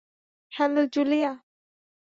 Hello - Julia?